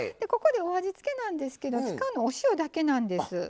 ここでお味付けなんですけど使うのお塩だけなんです。